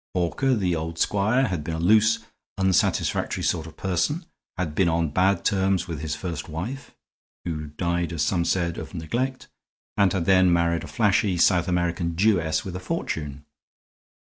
Hawker, the old squire, had been a loose, unsatisfactory sort of person, had been on bad terms with his first wife (who died, as some said, of neglect), and had then married a flashy South American Jewess with a fortune.